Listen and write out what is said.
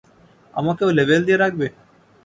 আমাকেও লেবেল দিয়ে রাখবে?